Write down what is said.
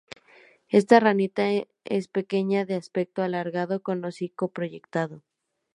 Esta ranita es pequeña de aspecto alargado con hocico proyectado.